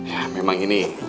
ya memang ini